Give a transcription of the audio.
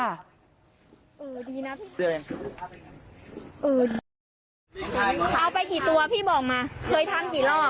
เอาไปกี่ตัวพี่บอกมาเคยทำกี่รอบ